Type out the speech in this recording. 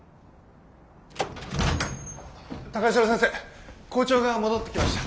高城先生校長が戻ってきました。